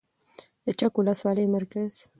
د چک ولسوالۍ مرکز